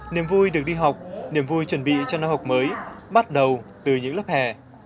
niềm vui được đi học niềm vui chuẩn bị cho năm học mới bắt đầu từ những lớp hè